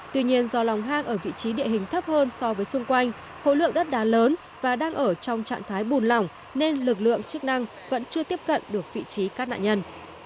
tuy nhiên do lòng hang ở vị trí địa hình thấp hơn so với xung quanh hộ lượng đất đá lớn và đang ở trong trạng thái bùn lỏng nên lực lượng chức năng vẫn chưa tiếp cận được vị trí các nạn nhân